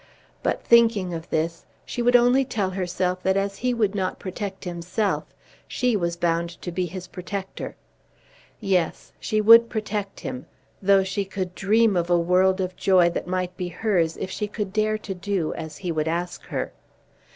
But, thinking of this, she would only tell herself that as he would not protect himself, she was bound to be his protector. Yes; she would protect him, though she could dream of a world of joy that might be hers if she could dare to do as he would ask her.